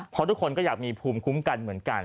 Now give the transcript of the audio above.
เพราะทุกคนก็อยากมีภูมิคุ้มกันเหมือนกัน